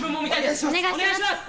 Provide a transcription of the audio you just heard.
お願いします！